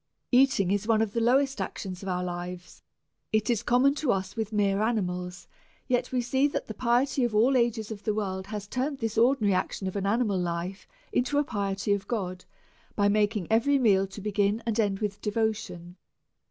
Eating is one of the lowest actions of our lives, it is common to us with mere animals, yet we see that the piety of all ages of the world has turned this ordi nary action of animal life into a piety to God, by mak^ ing every meal to begin and end with devotion.